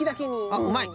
あっうまい。